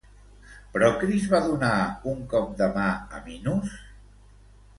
Procris va donar un cop de mà a Minos?